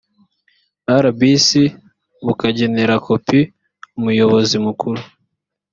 rbc bukagenera kopi umuyobozi mukuru